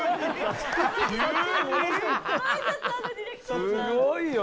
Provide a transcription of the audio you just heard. すごいよ。